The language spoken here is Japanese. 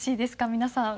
皆さん。